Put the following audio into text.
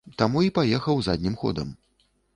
Таму і паехаў заднім ходам.